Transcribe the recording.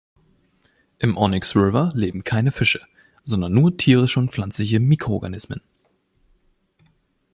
Im Onyx River leben keine Fische, sondern nur tierische und pflanzliche Mikroorganismen.